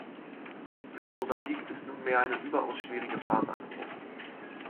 Für Mosambik ist nunmehr eine überaus schwierige Phase angebrochen.